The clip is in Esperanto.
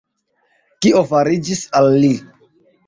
Kio fariĝis al li?